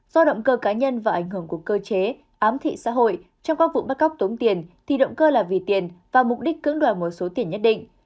do động cơ cá nhân và ảnh hưởng của cơ chế ám thị xã hội trong các vụ bắt cóc tống tiền thì động cơ là vì tiền và mục đích cưỡng đoạt một số tiền nhất định